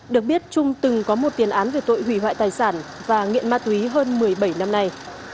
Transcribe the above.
được biết trung từng có một tiền án về tội hủy hoại tài sản và nghiện ma túy hơn một mươi bảy năm nay